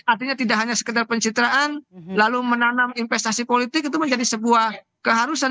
artinya tidak hanya sekedar pencitraan lalu menanam investasi politik itu menjadi sebuah keharusan